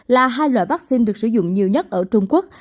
là hai loại vaccine được sử dụng nhiều nhất ở trung quốc